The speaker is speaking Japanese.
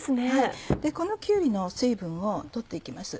このきゅうりの水分を取って行きます。